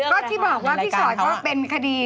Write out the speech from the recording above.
ก็ที่บอกว่าพี่สอยก็เป็นคดี